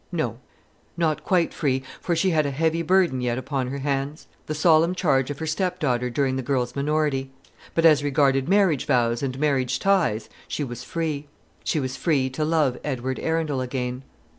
No, not quite free; for she had a heavy burden yet upon her hands; the solemn charge of her stepdaughter during the girl's minority. But as regarded marriage vows and marriage ties she was free. She was free to love Edward Arundel again.